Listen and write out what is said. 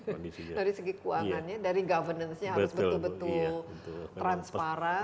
dari segi keuangannya dari governance nya harus betul betul transparan